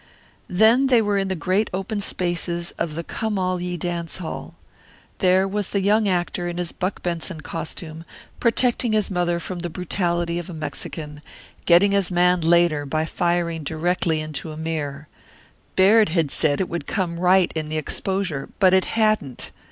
Then they were in the great open spaces of the Come All Ye dance hall. There was the young actor in his Buck Benson costume, protecting his mother from the brutality of a Mexican, getting his man later by firing directly into a mirror Baird had said it would come right in the exposure, but it hadn't.